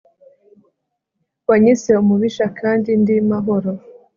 wanyise umubisha, kandi ndi mahoro